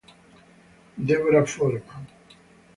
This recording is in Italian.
Deborah Foreman